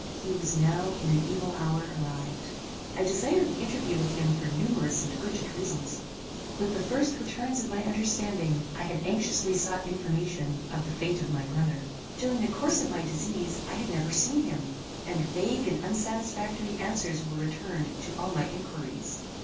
He was now in an evil hour arrived. I desired an interview with him for numerous and urgent reasons. With the first returns of my understanding I had anxiously sought information of the fate of my brother. During the course of my disease I had never seen him; and vague and unsatisfactory answers were returned to all my inquires.